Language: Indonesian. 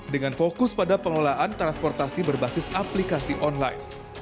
dengan fokus pada pengelolaan transportasi berbasis aplikasi online